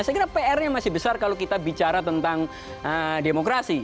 saya kira pr nya masih besar kalau kita bicara tentang demokrasi